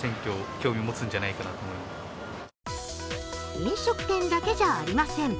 飲食店だけじゃありません。